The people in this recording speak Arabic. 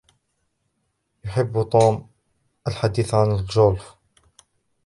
يحب توم الحديث عن الجولف.